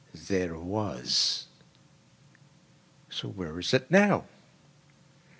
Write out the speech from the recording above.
"There was." "Where is it now?"